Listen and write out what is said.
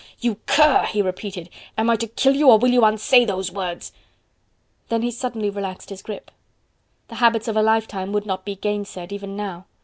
you cur!..." he repeated, "am I to kill you or will you unsay those words?" Then suddenly he relaxed his grip. The habits of a lifetime would not be gainsaid even now.